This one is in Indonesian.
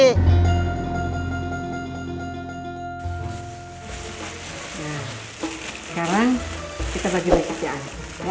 nah sekarang kita bagi bagi anak